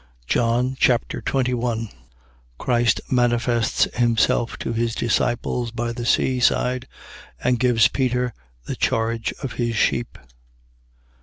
John Chapter 21 Christ manifests himself to his disciples by the sea side and gives Peter the charge of his sheep.